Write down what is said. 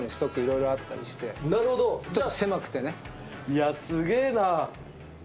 いや、すげえな。